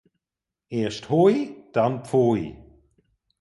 Erst hui, dann pfui.